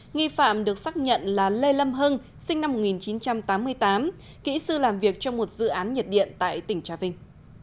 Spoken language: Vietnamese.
nghi phạm được xác nhận là lê lâm hưng sinh năm một nghìn chín trăm tám mươi tám kỹ sư làm việc trong một dự án nhiệt điện tại tỉnh trà vinh